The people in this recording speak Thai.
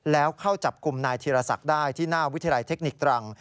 แล้วเข้าจับกลุ่มนายธีรศักดิ์ได้ที่หน้าวิทยาลัยเทคนิคตรัง